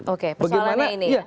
oke persoalannya ini